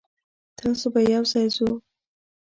تاسو به یوځای ځو.